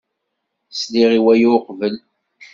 Sliɣ i waya uqbel.